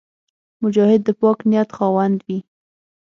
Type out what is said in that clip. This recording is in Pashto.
مجاهد د پاک نیت خاوند وي.